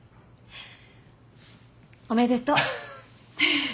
おめでとう。